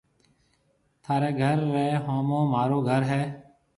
ٿارَي گهر ريَ هومون مهارو گهر هيَ۔